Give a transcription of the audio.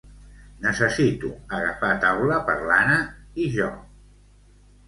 Necessito agafar taula per l'Anna i jo.